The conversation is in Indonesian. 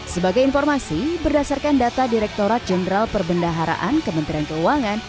sebagai informasi berdasarkan data direkturat jenderal perbendaharaan kementerian keuangan